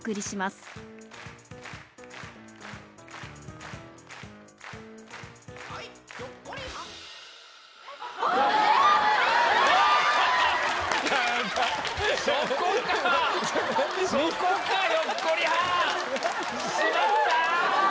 しまった！